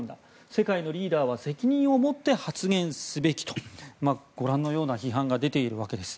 世界のリーダーは責任を持って発言すべきとご覧のような批判が出ているわけです。